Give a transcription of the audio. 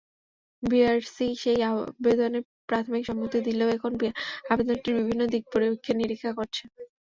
BTRC সেই আবদনে প্রাথমিক সম্মতি দিলেও এখন আবেদনটির বিভিন্ন দিক পরীক্ষা-নিরীক্ষা করছে।